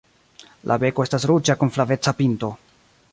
La beko estas ruĝa kun flaveca pinto.